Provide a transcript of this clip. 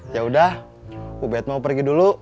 yaudah bu bet mau pergi dulu